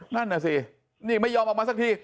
นั่นน่ะสินี่ไม่ยอมออกมาสักที